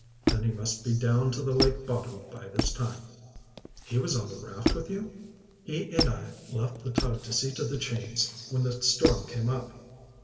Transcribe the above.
"Then he must be down to the lake bottom by this time." "He was on the raft with you?" "Yes. He and I left the tug to see to the chains when the storm came up."